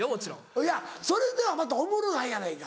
いやそれではまたおもろないやないか。